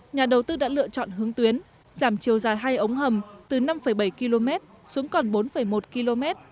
nhà đầu tư đã lựa chọn hướng tuyến giảm chiều dài hai ống hầm từ năm bảy km xuống còn bốn một km